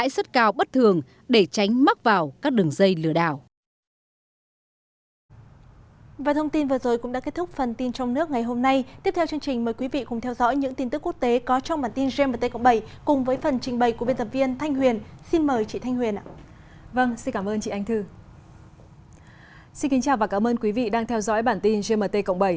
xin chào và cảm ơn quý vị đang theo dõi bản tin gmt cộng bảy